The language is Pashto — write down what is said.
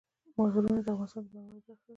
غرونه د افغانستان د بڼوالۍ برخه ده.